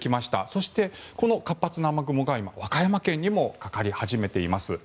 そして、この活発な雨雲が今、和歌山県にもかかり始めています。